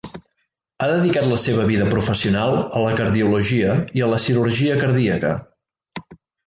Ha dedicat la seva vida professional a la Cardiologia i a la Cirurgia Cardíaca.